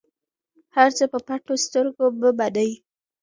هر څه په پټو سترګو مه منئ.